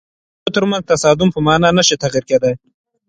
د لهجو ترمنځ تصادم په معنا نه شي تعبیر کېدای.